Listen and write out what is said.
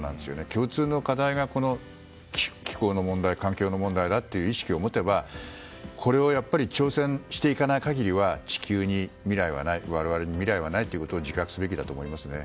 共通の課題がこの気候の問題環境の問題だという意識を持てばこれに挑戦していかない限りは地球に未来はない我々に未来はないことを自覚すべきだと思いますね。